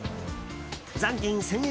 残金１０００円